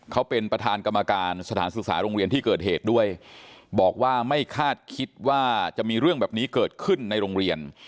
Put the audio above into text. เขาเป็นประธานกรรมการสถานศึกษาโรงเรียนที่เกิดเหตุด้วยบอกว่าไม่คาดคิดว่าจะมีเรื่องแบบนี้เกิดขึ้นในโรงเรียน